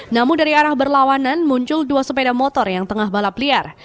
namun dari arah berlawanan muncul dua sepeda motor yang tengah balap liar